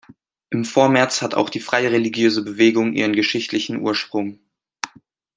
Im Vormärz hat auch die Freireligiöse Bewegung ihren geschichtlichen Ursprung.